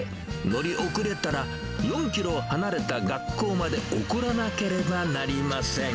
乗り遅れたら、４キロ離れた学校まで送らなければなりません。